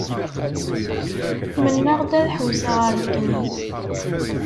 Mennaɣ-d ad ḥewwseɣ ar Legniz.